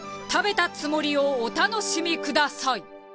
食べたつもりをお楽しみください。